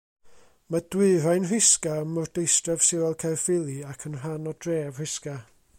Mae Dwyrain Rhisga ym mwrdeistref sirol Caerffili ac yn rhan o dref Rhisga.